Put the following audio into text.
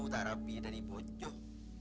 tak rapi dari bocok